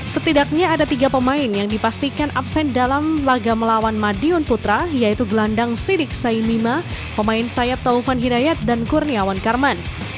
setidaknya ada tiga pemain yang dipastikan absen dalam laga melawan madiun putra yaitu gelandang sidik sainima pemain sayap taufan hidayat dan kurniawan karman